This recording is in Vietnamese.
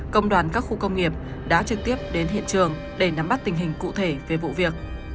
công đoàn các khu công nghiệp đã trực tiếp đến hiện trường để nắm bắt tình hình cụ thể về vụ việc